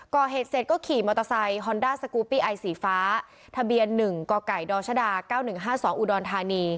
ก่อเหตุเสร็จก็ขี่มอเตอร์ไซค์ฮอนด้าสกูปปี้ไอสีฟ้าทะเบียน๑กกดชด๙๑๕๒อุดรธานี